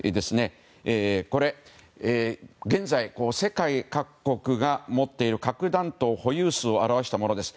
これは、現在世界各国が持っている核弾頭保有数を表したものです。